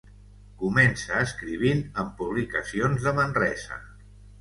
Comença escrivint en publicacions de Manresa.